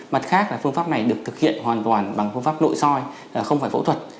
mặt khác là phương pháp này được thực hiện hoàn toàn bằng phương pháp nội soi không phải phẫu thuật